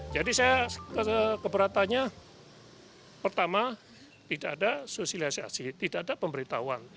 saya keberatannya pertama tidak ada sosialisasi tidak ada pemberitahuan